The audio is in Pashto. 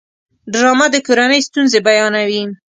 ډرامه د کورنۍ ستونزې بیانوي